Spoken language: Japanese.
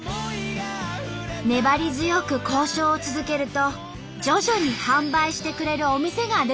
粘り強く交渉を続けると徐々に販売してくれるお店が出てきたのです。